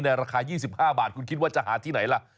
ราคา๒๕บาทคุณคิดว่าจะหาที่ไหนล่ะ